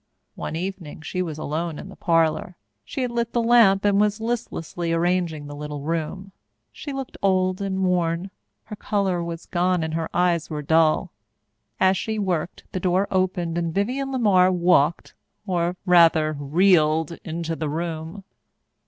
One evening she was alone in the parlour. She had lit the lamp and was listlessly arranging the little room. She looked old and worn. Her colour was gone and her eyes were dull. As she worked, the door opened and Vivienne LeMar walked or, rather, reeled into the room.